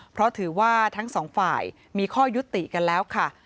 เพราะถือว่าทั้งสองฝ่ายมีข้อยุติกันแล้วค่ะ